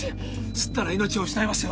吸ったら命を失いますよ